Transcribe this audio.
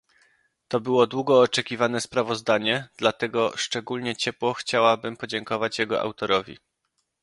To było długo oczekiwane sprawozdanie, dlatego szczególnie ciepło chciałabym podziękować jego autorowi